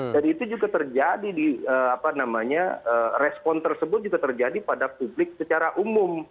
dan itu juga terjadi di respon tersebut juga terjadi pada publik secara umum